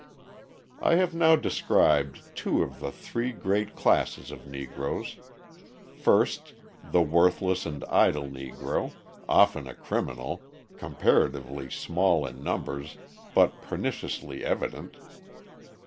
I have now described two of the three great classes of Negroes: First, the worthless and idle Negro, often a criminal, comparatively small in numbers but perniciously evident.